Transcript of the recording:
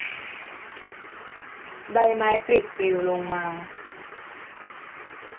ใบไม้ปลิดปลิวลงมา